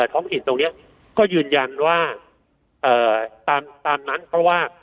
ท้องถิ่นตรงนี้ก็ยืนยันว่าตามนั้นเพราะว่า